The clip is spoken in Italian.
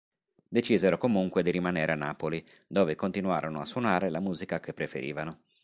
Decisero comunque di rimanere a Napoli, dove continuarono a suonare la musica che preferivano.